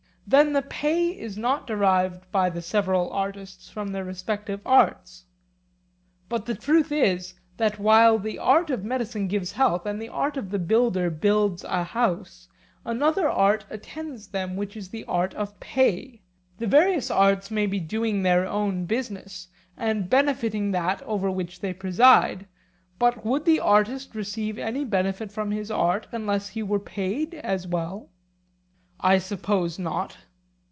Then the pay is not derived by the several artists from their respective arts. But the truth is, that while the art of medicine gives health, and the art of the builder builds a house, another art attends them which is the art of pay. The various arts may be doing their own business and benefiting that over which they preside, but would the artist receive any benefit from his art unless he were paid as well? I suppose not.